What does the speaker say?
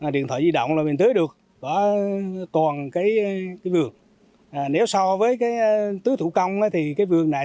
điện thoại di động là mình tưới được còn cái vườn nếu so với cái tứ thủ công thì cái vườn này